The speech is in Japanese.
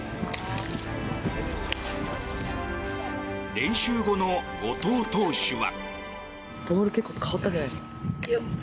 練習後の後藤投手は。